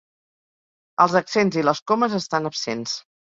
Els accents i les comes estan absents.